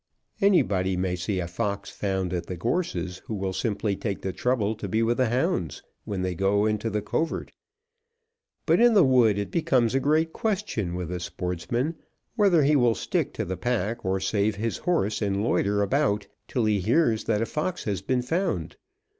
Anybody may see a fox found at the gorses who will simply take the trouble to be with the hounds when they go into the covert; but in the wood it becomes a great question with a sportsman whether he will stick to the pack or save his horse and loiter about till he hears that a fox has been found.